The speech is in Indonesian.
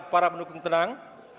para pendukung tenang